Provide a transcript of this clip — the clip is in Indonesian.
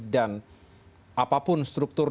dan apapun struktur